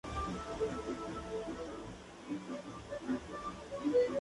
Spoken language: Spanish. En el barrio hay tres escuelas abiertas.